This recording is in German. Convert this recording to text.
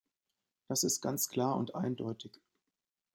Das ist ganz klar und eindeutig!